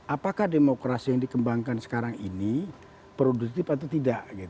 apakah demokrasi yang dikembangkan sekarang ini produktif atau tidak